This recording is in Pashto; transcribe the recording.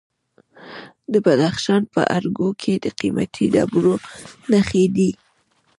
د بدخشان په ارګو کې د قیمتي ډبرو نښې دي.